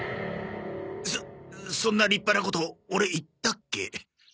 そそんな立派なことオレ言ったっけ？